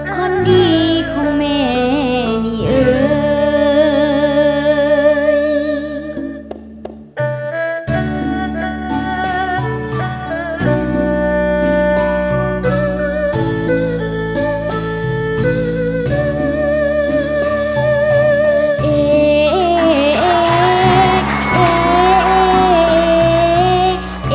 คนดีของแม่นี่เอ่ย